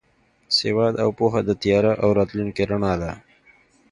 سواد او پوهه د تیاره راتلونکي رڼا ده.